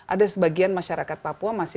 ada sebagian masyarakat papua masih